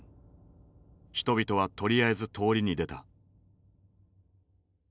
人々はとりあえず通りに出た。